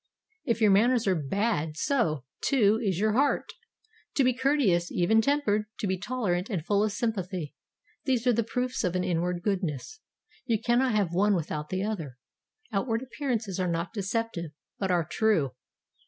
If your manners are bad, so, too, is your heart. To be courteous, even tempered, to be tolerant and full of sympathy, these are the proofs of an inward goodness. You cannot have one without the other. Outward appearances are not deceptive, but are true.